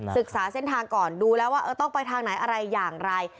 ศึกษาเส้นทางก่อนดูแล้วว่าต้องไปทางไหนอะไรอย่างไร